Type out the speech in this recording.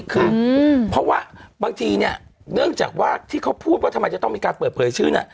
คือเพราะว่าบางทีเนี่ยเนื่องจากว่าที่เขาพูดว่าทำไมจะต้องมีการเปิดเผยชื่อเนี่ย